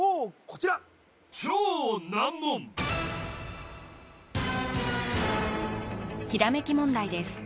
こちらひらめき問題です